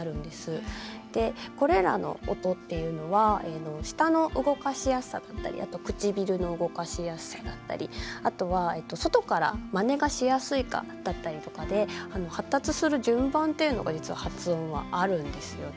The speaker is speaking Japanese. これらの音っていうのは舌の動かしやすさだったりあと唇の動かしやすさだったりあとは外からまねがしやすいかだったりとかで発達する順番っていうのが実は発音はあるんですよね。